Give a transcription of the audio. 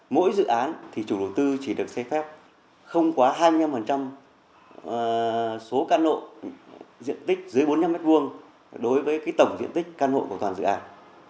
mỗi dự án thì chủ đầu tư chỉ được xây phép không quá hai mươi năm số căn hộ diện tích dưới bốn mươi năm m hai đối với tổng diện tích căn hộ của toàn dự án